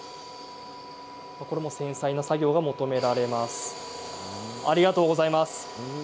これも繊細な作業が求められます。